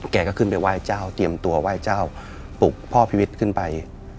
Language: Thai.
แกก็ขึ้นไปไหว้เจ้าเตรียมตัวไหว้เจ้าปลุกพ่อพิวิทย์ขึ้นไป